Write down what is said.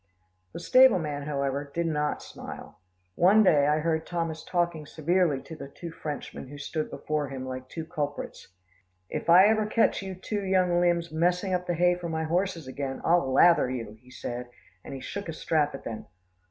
The stableman, however, did not smile. One day I heard Thomas talking severely to the two Frenchmen who stood before him like two culprits. "If I ever ketch you two young limbs messing up the hay for my horses again, I'll lather you," he said, and he shook a strap at them.